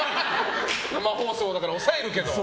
生放送だから抑えとけと。